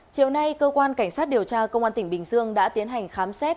chiều nay cơ quan cảnh sát điều tra công an tỉnh bình dương đã tiến hành khám xét